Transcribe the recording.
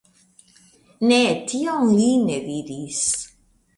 Ne, tion li ne diris.